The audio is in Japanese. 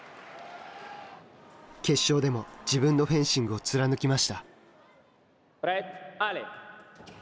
決勝でも、自分のフェンシングを貫きました。